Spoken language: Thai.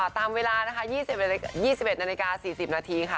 ตามเวลานะคะ๒๑นาฬิกา๔๐นาทีค่ะ